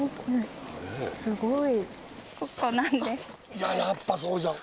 いややっぱそうじゃん。